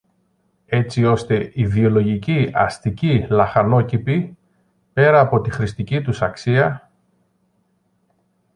έτσι ώστε οι βιολογικοί αστικοί λαχανόκηποι, πέρα από τη χρηστική τους αξία